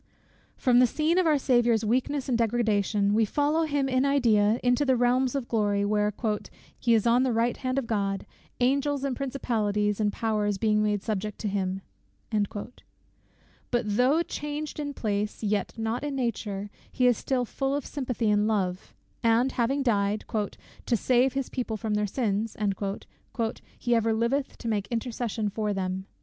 From the scene of our Saviour's weakness and degradation, we follow him, in idea, into the realms of glory, where "he is on the right hand of God; angels, and principalities, and powers being made subject unto him." But though changed in place, yet not in nature, he is still full of sympathy and love; and having died "to save his people from their sins," "he ever liveth to make intercession for them."